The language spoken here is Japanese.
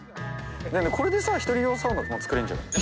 これでさ１人用サウナ作れんじゃない？